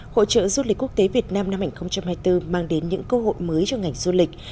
hội trợ du lịch quốc tế việt nam năm hai nghìn hai mươi bốn mang đến những cơ hội mới cho ngành du lịch